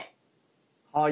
はい。